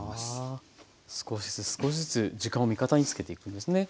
少しずつ少しずつ時間を味方につけていくんですね。